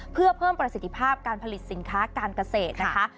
เพื่อเพิ่มประสิทธิภาพการผลิตสินค้าการเกษตรนะคะ